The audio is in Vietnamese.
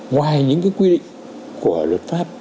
ngoài những cái quy định của luật pháp